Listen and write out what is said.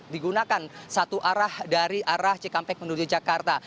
digunakan satu arah dari arah cikampek menuju jakarta